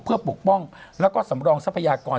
เพื่อปกป้องแล้วก็สำรองทรัพยากร